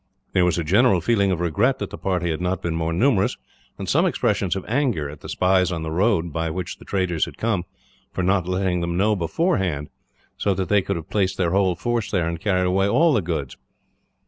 There was a general feeling of regret that the party had not been more numerous; and some expressions of anger, at the spies on the road by which the traders had come, for not letting them know beforehand, so that they could have placed their whole force there and carried away all the goods.